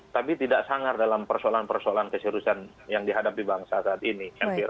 tapi tidak sangar dalam persoalan persoalan keseriusan yang dihadapi bangsa saat ini